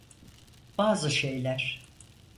Bazı şeyler.